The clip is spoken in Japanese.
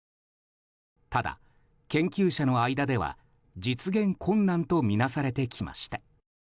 ただ、研究者の間では実現困難とみなされてきました。